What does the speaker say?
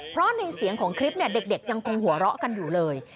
เพราะในเสียงของคลิปเนี่ยเด็กยังคงหัวเราะกันอยู่เลย